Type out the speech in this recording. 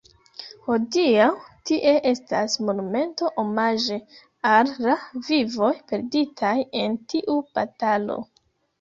Hodiaŭ tie estas monumento omaĝe al la vivoj perditaj en tiu batalo.